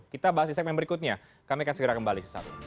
kita bahas di segmen berikutnya kami akan segera kembali